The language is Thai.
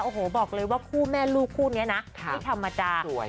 โอ้โหบอกเลยว่าคู่แม่ลูกคู่นี้นะไม่ธรรมดา